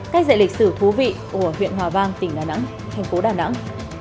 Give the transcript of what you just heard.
cách dạy lịch sử thú vị của huyện hòa vang tỉnh đà nẵng thành phố đà nẵng